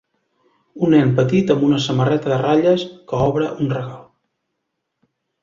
Un nen petit amb samarreta de ratlles que obre un regal.